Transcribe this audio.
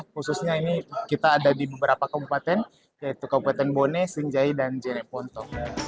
khususnya ini kita ada di beberapa kabupaten yaitu kabupaten bone sinjai dan jereponto